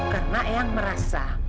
karena ayang merasa